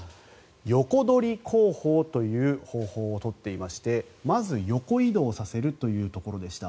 横取り工法という工法を取っていましてまず横移動させるというところでした。